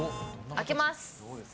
開けます。